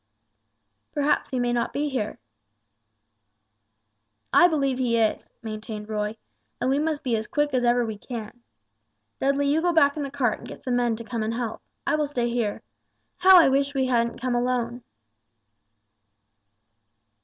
"Perhaps he may not be here." "I believe he is," maintained Roy; "and we must be as quick as ever we can. Dudley you go back in the cart and get some men to come and help. I will stay here. How I wish we hadn't come alone!"